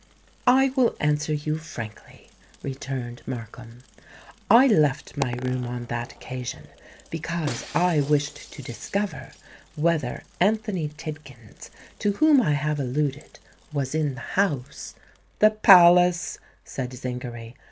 "I will answer you frankly," returned Markham. "I left my room on that occasion, because I wished to discover whether Anthony Tidkins, to whom I have alluded, was in the house——" "The Palace," said Zingary.